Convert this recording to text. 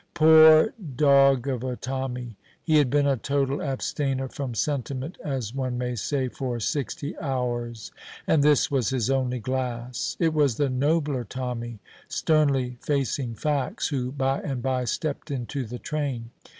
Poor dog of a Tommy! He had been a total abstainer from sentiment, as one may say, for sixty hours, and this was his only glass. It was the nobler Tommy, sternly facing facts, who by and by stepped into the train.